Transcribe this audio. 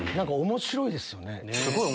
面白いですよね。